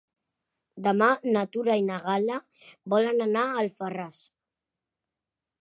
Demà na Tura i na Gal·la volen anar a Alfarràs.